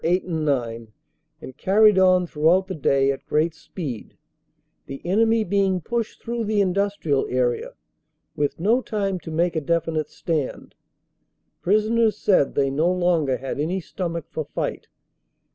8 and 9 and carried on throughout the day at great speed, the enemy being pushed through the industrial area, with no time to make a definite stand. Prisoners said they no longer had any stomach for fight.